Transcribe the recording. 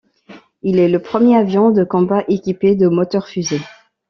Il est le premier avion de combat équipé de moteur-fusées.